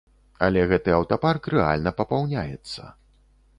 Але гэты аўтапарк рэальна папаўняецца.